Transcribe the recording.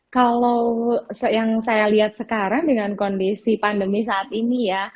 kalau yang saya lihat sekarang dengan kondisi pandemi saat ini ya